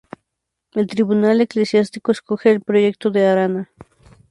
El Tribunal Eclesiástico escoge el proyecto de Arana.